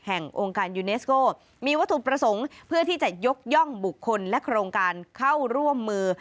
องค์การยูเนสโก้มีวัตถุประสงค์เพื่อที่จะยกย่องบุคคลและโครงการเข้าร่วมมือ